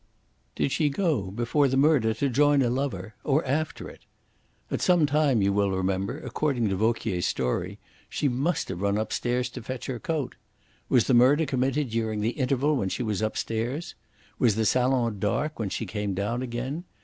"Did she go, before the murder, to join a lover? Or after it? At some time, you will remember, according to Vauquier's story, she must have run upstairs to fetch her coat. Was the murder committed during the interval when she was upstairs? Was the salon dark when she came down again?